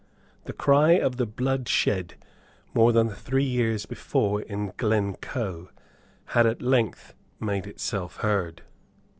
The cry of the blood shed more than three years before in Glencoe had at length made itself heard.